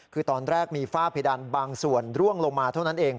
คือตอนแรกมีฝ้าเพดานบางส่วนร่วงลงมาเท่านั้นเอง